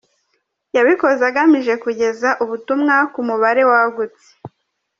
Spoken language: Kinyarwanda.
Yabikoze agamije kugeza ubutumwa ku mubare wagutse.